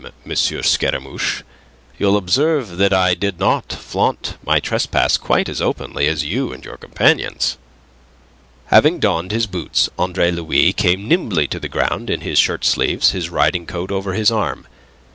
Scaramouche, you'll observe that I did not flaunt my trespass quite as openly as you and your companions." Having donned his boots, Andre Louis came nimbly to the ground in his shirt sleeves, his riding coat over his arm.